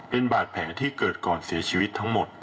เป็นบาดแผลที่เกิดก่อนเสียชีวิตทั้งหมด